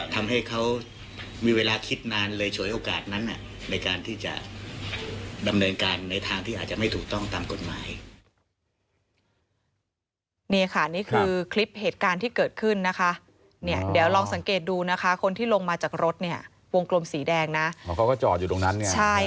ทำให้เขามีเวลาคิดนานเลยฉวยโอกาสนั้นในการที่จะดำเนินการในทางที่อาจจะไม่ถูกต้องตามกฎหมาย